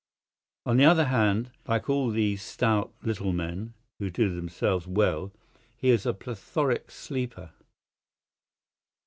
On the other hand, like all these stout, little men who do themselves well, he is a plethoric sleeper.